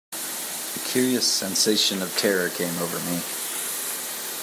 A curious sensation of terror came over me.